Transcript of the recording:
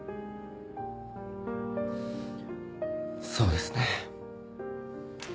そうですね。